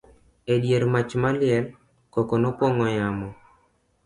e dier mach maliel, koko nopong'o yamo